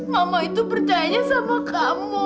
mama itu percayanya sama kamu